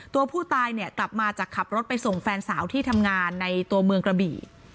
ตัวผู้ตายเนี่ยกลับมาจากขับรถไปส่งแฟนสาวที่ทำงานในตัวเมืองกระบี่